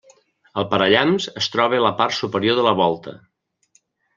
El parallamps es troba a la part superior de la volta.